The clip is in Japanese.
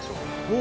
お！